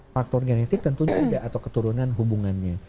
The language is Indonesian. faktor genetik tentunya ada atau keturunan hubungannya